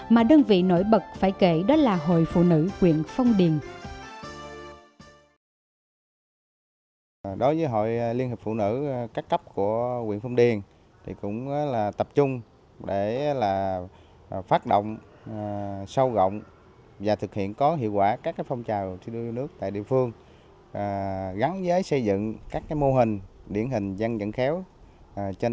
mà đơn vị nổi bật phải kể đó là hội phụ nữ quyện phong điền